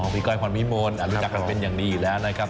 ก้อยพรวิมลรู้จักกันเป็นอย่างดีอยู่แล้วนะครับ